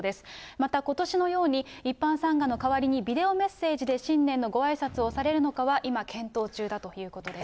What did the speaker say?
また、ことしのように一般参賀の代わりにビデオメッセージで新年のごあいさつをされるのかは今、検討中だということです。